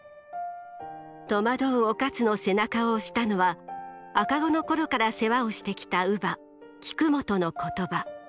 戸惑う於一の背中を押したのは赤子の頃から世話をしてきた乳母菊本の言葉。